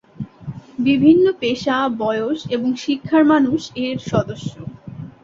বিভিন্ন পেশা, বয়স এবং শিক্ষার মানুষ এর সদস্য।